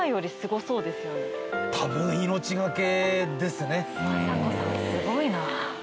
すごいな。